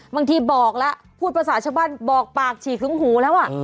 บางทีบอกแล้วพูดภาษาชาวบ้านบอกปากฉีกถึงหูแล้ว